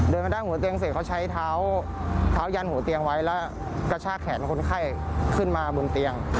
มาด้านหัวเตียงเสร็จเขาใช้เท้ายันหัวเตียงไว้แล้วกระชากแขนคนไข้ขึ้นมาบนเตียง